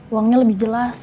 uangnya lebih jelas